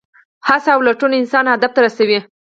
هڅه او لټون انسان هدف ته رسوي.